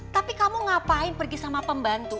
tapi kamu ngapain pergi sama pembantu